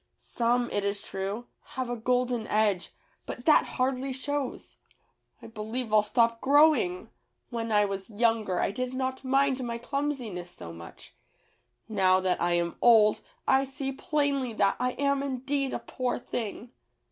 Some, it is true, have a golden edge, but that hardly shows. I believe I'll stop growing. When I was younger I did not mind my clumsiness so much. Now that I am old I see plainly that I am indeed a poor thing."